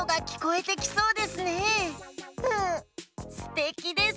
うんすてきです。